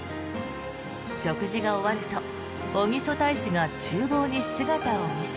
食事が終わると小木曽大使が厨房に姿を見せ。